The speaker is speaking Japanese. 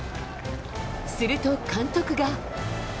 すると、監督が。